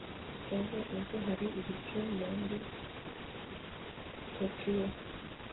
ejo ejo hari ibicu muri tokiyo